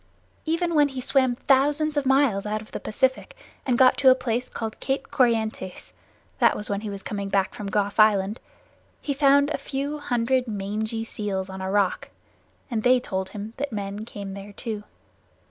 Even when he swam thousands of miles out of the Pacific and got to a place called Cape Corrientes (that was when he was coming back from Gough's Island), he found a few hundred mangy seals on a rock and they told him that men came there too.